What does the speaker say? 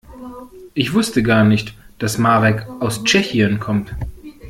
Ich wusste gar nicht, dass Marek aus Tschechien kommt.